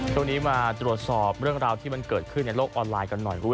ช่วงนี้มาตรวจสอบเรื่องราวที่มันเกิดขึ้นในโลกออนไลน์กันหน่อย